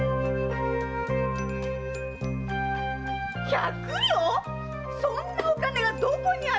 百両⁉そんなお金がどこにあるんだよ？